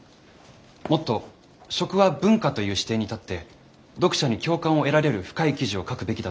もっと「食は文化」という視点に立って読者に共感を得られる深い記事を書くべきだと思います。